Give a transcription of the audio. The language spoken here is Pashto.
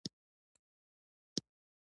احمد قلم راڅخه تر لاسه کړ.